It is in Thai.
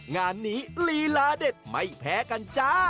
งานนี้ลีลาเด็ดไม่แพ้กันจ้า